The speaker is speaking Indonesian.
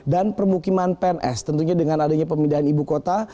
dan permukiman pns tentunya dengan adanya pemindahan ibu kota